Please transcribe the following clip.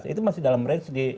itu masih dalam range